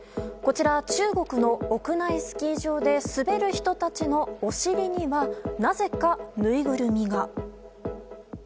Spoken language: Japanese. こちら、中国の屋内スキー場で滑る人たちのお尻にはなぜか、ぬいぐるみが。